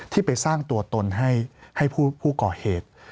ที่ไปสร้างตัวตนให้ผู้ก่อเหตุ